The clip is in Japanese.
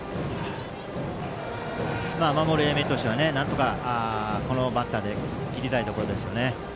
守る英明としてはこのバッターで切りたいところですね。